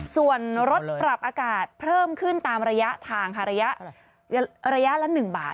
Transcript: ส่วนรถปรับอากาศเพิ่มขึ้นตามระยะทางค่ะระยะละ๑บาท